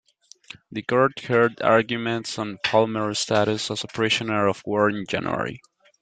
The court heard arguments on Palmera's status as a prisoner of war in January.